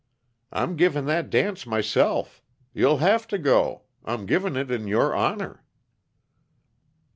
"I'm givin' that dance myself. You'll have to go I'm givin' it in your honor."